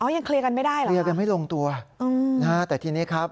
อ๋อยังเคลียร์กันไม่ได้หรอยังไม่ลงตัวอืมฮะแต่ทีนี้ครับ